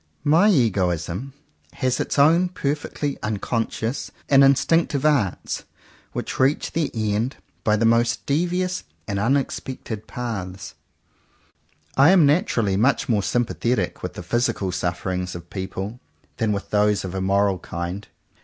My egoism has its own perfectly uncon scious and instinctive arts which reach their end by the most devious^and unex pected paths. I am naturally much more sympathetic with the physical sufferings of people than with those of a moral kind.